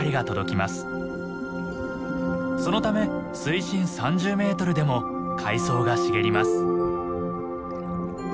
そのため水深３０メートルでも海藻が茂ります。